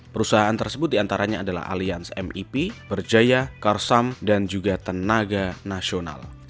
perusahaan tersebut diantaranya adalah alians mep berjaya karsam dan juga tenaga nasional